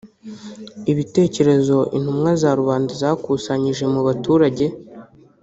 Ibitekerezo intumwa za rubanda zakusanyije mu baturage